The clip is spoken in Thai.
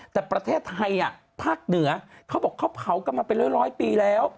แต่ประเทศไทยภาคเหนือเขาบอกเขาเผากันมาเป็นร้อยปีแล้ว